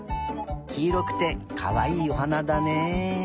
きいろくてかわいいおはなだね。